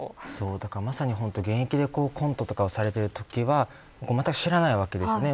まさに現役でコントとかをされているときはまったく知らないわけですよね。